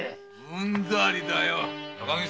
うんざりだよ